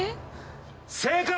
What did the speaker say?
正解！